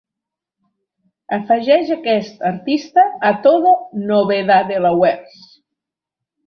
Afegeix aquest artista a TODO NOVEDADelawareS